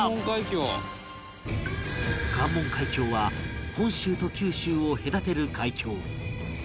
関門海峡は本州と九州を隔てる海峡